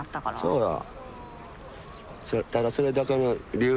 そうや。